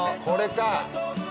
これか。